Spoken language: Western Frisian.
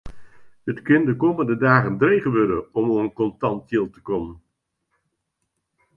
It kin de kommende dagen dreech wurde om oan kontant jild te kommen.